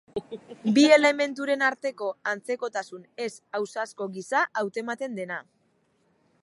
Bi elementuren arteko antzekotasun ez ausazko gisa hautematen dena.